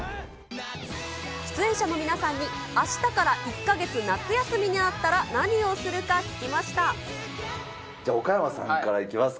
出演者の皆さんにあしたから１か月夏休みになったら何をするか聞じゃあ岡山さんからいきます